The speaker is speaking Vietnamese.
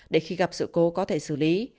để khi gặp sự cố có thể xử lý